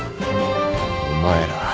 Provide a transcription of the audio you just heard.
お前ら。